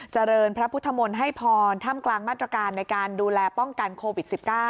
เจริญพระพุทธมนตร์ให้พรท่ามกลางมาตรการในการดูแลป้องกันโควิด๑๙